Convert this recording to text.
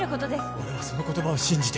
俺はその言葉を信じて。